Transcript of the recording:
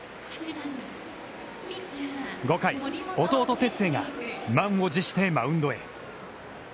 ５回、弟・哲星が満を持してマウンドへ。